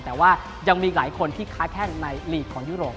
แต่ว่ายังมีอีกหลายคนที่ค้าแข้งในลีกของยุโรป